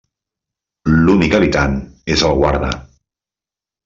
L'únic habitant és el guarda.